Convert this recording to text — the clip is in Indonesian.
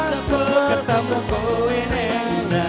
setelah tema hadiah